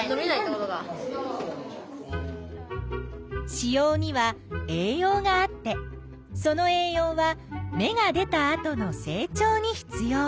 子葉には栄養があってその栄養は芽が出たあとの成長に必要。